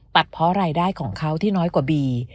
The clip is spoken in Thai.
เพราะรายได้ของเขาที่น้อยกว่าบี